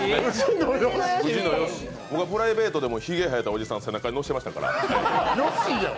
プライベートでもひげ生えたおじさん、背中に乗せてましたから。